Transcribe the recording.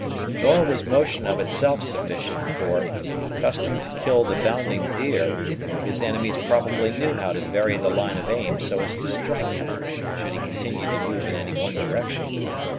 Nor was motion of itself sufficient; for, accustomed to kill the bounding deer, his enemies probably knew how to vary the line of aim so as to strike him, should he continue to move in any one direction.